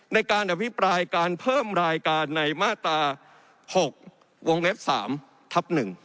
ในการอภิปรายการเพิ่มรายการในมาตรา๖วงเล็บ๓ทับ๑